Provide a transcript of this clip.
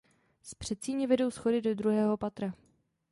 Z předsíně vedou schody do druhého patra.